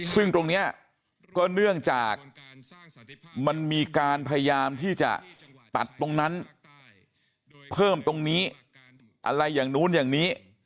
ซึ่งตรงนี้ก็เนื่องจากมันมีการพยายามที่จะตัดตรงนั้นเพิ่มตรงนี้อะไรอย่างนู้นอย่างนี้